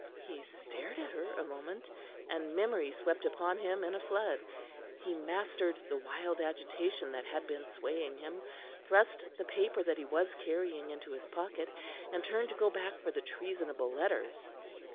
He stared at her a moment, and memory swept upon him in a flood. He mastered the wild agitation that had been swaying him, thrust the paper that he was carrying into his pocket, and turned to go back for the treasonable letters.